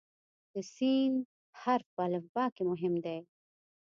د "س" حرف په الفبا کې مهم دی.